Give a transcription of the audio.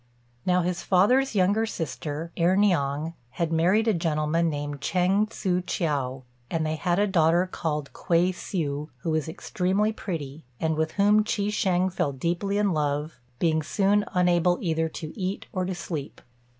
Now his father's younger sister, Erh niang, had married a gentleman named Chêng Tzŭ ch'iao, and they had a daughter called Kuei hsiu, who was extremely pretty, and with whom Chi shêng fell deeply in love, being soon unable either to eat or to sleep.